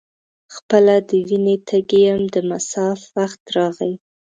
خپله د وینې تږی یم د مصاف وخت راغی.